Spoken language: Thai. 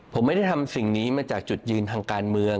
ผมไม่ได้ทำสิ่งนี้มาจากจุดยืนทางการเมือง